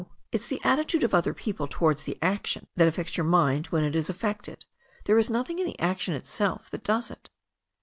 It's the attitude of other people towards your action that affects your mind when it is affected. There is nothing in the action itself that does it."